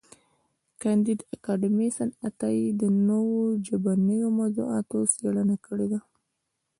کانديد اکاډميسن عطايي د نوو ژبنیو موضوعاتو څېړنه کړې ده.